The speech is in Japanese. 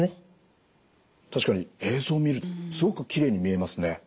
確かに映像を見るとすごくきれいに見えますね。